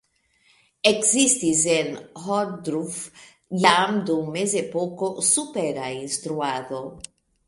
Ekzistis en Ohrdruf jam dum Mezepoko supera instruado.